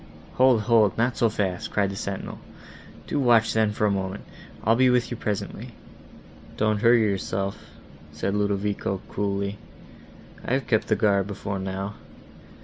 "Hold, hold, not so fast," cried the sentinel, "do watch then, for a moment: I'll be with you presently." "Don't hurry yourself," said Ludovico, coolly, "I have kept guard before now.